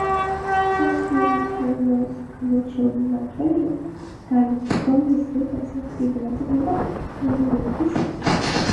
სასულთნოს გამორჩეული მმართველი იყო დალი, რომელიც დედის მხრიდან ეკუთვნოდა ფურების ტომს.